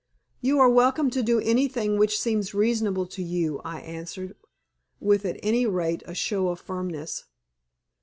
"You are welcome to do anything which seems reasonable to you," I answered, with at any rate a show of firmness.